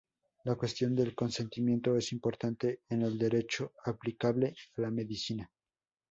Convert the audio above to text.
La cuestión del consentimiento es importante en el Derecho aplicable a la medicina.